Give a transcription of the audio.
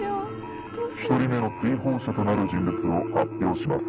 １人目の追放者となる人物を発表します。